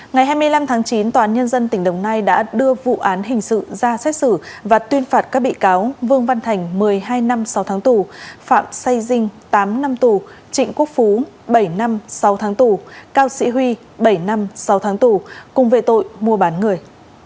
ngày hai mươi năm tháng chín tòa án nhân dân tỉnh đồng nai đã đưa vụ án hình sự ra xét xử và tuyên phạt các bị cáo vương văn thành một mươi hai năm sáu tháng tù phạm say dinh tám năm tù trịnh quốc phú bảy năm sáu tháng tù cao sĩ huy bảy năm sáu tháng tù cùng về tội mua bán người